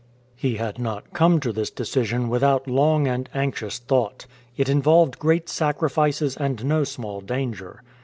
50 RESOLVES TO LEAVE JAPAN He had not come to this decision without long and anxious thought. It involved great sacrifices and no small danger.